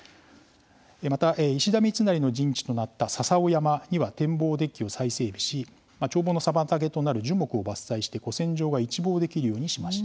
また、石田三成の陣地となった笹尾山には展望デッキを再整備し眺望の妨げとなる樹木を伐採して古戦場が一望できるようにしました。